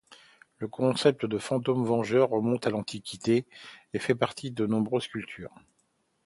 Le concept de fantôme vengeur remonte à l'Antiquité et fait partie de nombreuses cultures.